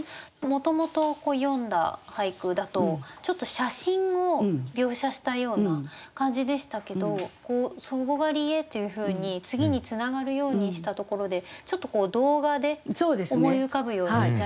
もともと詠んだ俳句だとちょっと写真を描写したような感じでしたけどこう「祖母がりへ」というふうに次につながるようにしたところでちょっとこう動画で思い浮かぶようになりました。